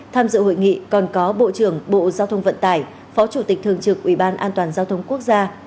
tham dự hội nghị còn có bộ trưởng bộ giao thông vận tải phó chủ tịch thường trực ubndgqg